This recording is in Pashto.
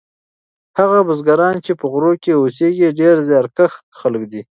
هغه بزګران چې په غرو کې اوسیږي ډیر زیارکښ خلک دي.